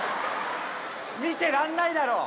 見てらんないだろ。